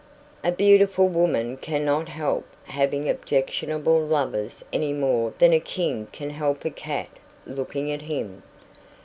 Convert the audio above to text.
A beautiful woman cannot help having objectionable lovers any more than a king can help a cat looking at him.